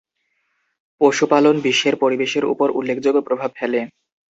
পশুপালন বিশ্বের পরিবেশের উপর উল্লেখযোগ্য প্রভাব ফেলে।